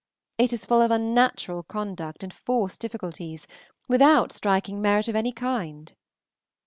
It is full of unnatural conduct and forced difficulties, without striking merit of any kind.